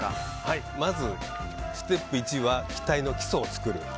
まず、ステップ１は機体の基礎を作る。